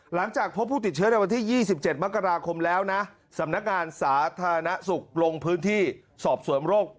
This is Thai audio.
หลังจากพบผู้ติดเชื้อในวันที่๒๗มกราคมแล้วนะสำนักงานสาธารณสุขลงพื้นที่สอบสวนโรค